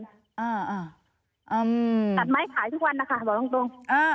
ตัดไม้ถ่ายทุกวันนะคะบอกตรง